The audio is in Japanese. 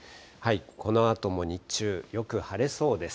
このあとも日中、よく晴れそうです。